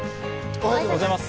おはようございます。